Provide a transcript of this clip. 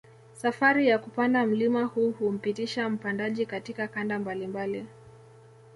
Safari ya kupanda mlima huu humpitisha mpandaji katika kanda mbalimbali